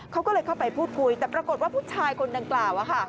เขาก็เลยเข้าไปพูดคุยแต่ปรากฏว่าผู้ชายคนดังกล่าว